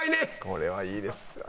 これはいいですよね。